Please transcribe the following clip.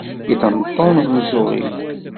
Yeṭṭentun umeẓẓeɣ-iw.